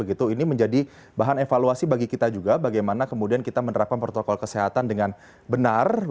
ini menjadi bahan evaluasi bagi kita juga bagaimana kemudian kita menerapkan protokol kesehatan dengan benar